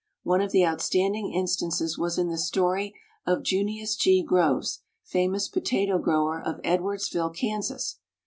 One of the outstanding instances was in the story of Junius G. Groves, famous potato grower of Edwardsville, Kansas.